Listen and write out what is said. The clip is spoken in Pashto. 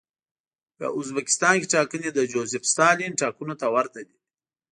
په ازبکستان کې ټاکنې د جوزېف ستالین ټاکنو ته ورته دي.